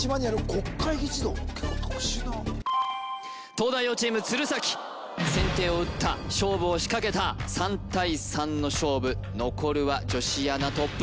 東大王チーム・鶴崎先手を打った勝負を仕掛けた３対３の勝負残るは女子アナトップ